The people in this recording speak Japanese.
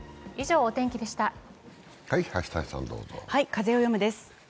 「風をよむ」です。